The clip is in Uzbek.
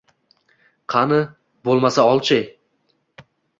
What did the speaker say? Qani, bo‘lmasa ol-chi